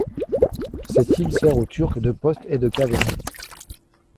Cette île sert aux turcs de poste et de caverne.